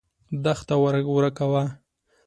دښته ورکه وه.